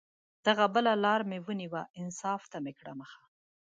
دغه بله لار مې ونیوه، انصاف ته مې کړه مخه